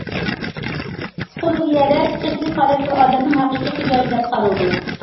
پىسخولوگىيەدە پىسخىكىلىق ھالەت بىر ئادەمنىڭ ھەقىقىي خوجايىنى دەپ قارىلىدۇ.